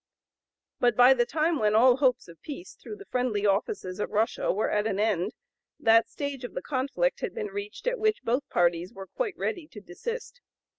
But by the time when all hopes of peace through the friendly offices of Russia were at an end, that stage of the conflict had been (p. 076) reached at which both parties were quite ready to desist.